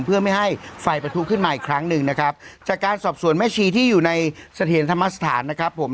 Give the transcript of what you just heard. เพื่อไม่ให้ไฟประทุขึ้นมาอีกครั้งหนึ่งนะครับจากการสอบสวนแม่ชีที่อยู่ในเสถียรธรรมสถานนะครับผม